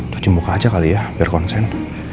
tuh cembuka aja kali ya biar konsen